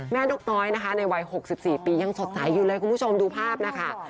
นกน้อยนะคะในวัย๖๔ปียังสดใสอยู่เลยคุณผู้ชมดูภาพนะคะ